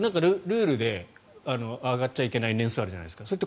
ルールで上がっちゃいけない年数があるじゃないですか。